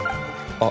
あっ。